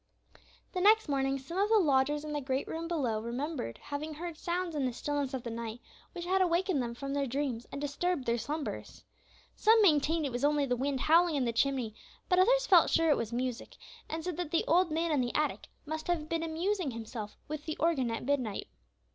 The next morning, some of the lodgers in the great room below remembered having heard sounds in the stillness of the night, which had awakened them from their dreams and disturbed their slumbers. Some maintained it was only the wind howling in the chimney, but others felt sure it was music, and said that the old man in the attic must have been amusing himself with the organ at midnight.